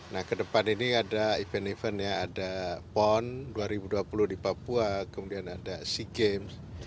nah ke depan ini ada event event ya ada pon dua ribu dua puluh di papua kemudian ada sea games